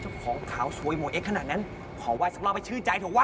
เจ้าของขาวสวยโหมเอ็กซ์ขนาดนั้นขอวายสำราบให้ชื่อใจถูกวะ